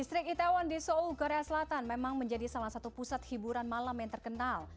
distrik itaewon di seoul korea selatan memang menjadi salah satu pusat hiburan malam yang terkenal